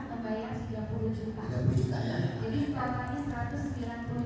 setelah saudara memposting